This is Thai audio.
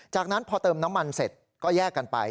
จากนั้นพอเติมน้ำมันเสร็จก็แยกกันไป